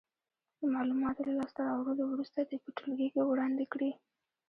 د معلوماتو له لاس ته راوړلو وروسته دې په ټولګي کې وړاندې کړې.